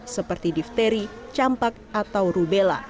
seperti difteri campak atau rubella